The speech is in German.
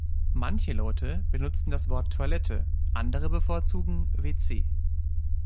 Manche Leute benutzen das Wort „Toilette“, andere bevorzugen „WC“.